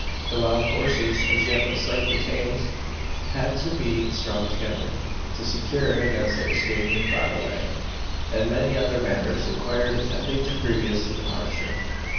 The wild horses, as yet but slightly tamed, had to be strung together, to secure against their escaping by the way; and many other matters required attending to previous to departure.